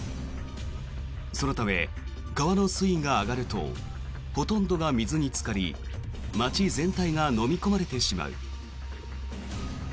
そのため、川の水位が上がるとほとんどが水につかり街全体がのみ込まれてしまう。